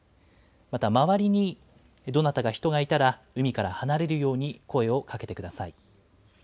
また周りにどなたか人がいたら、海から離れるように声をかけてください。